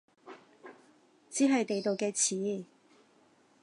只係地道嘅詞